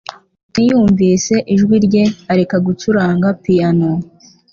Tony yumvise ijwi rye areka gucuranga piyano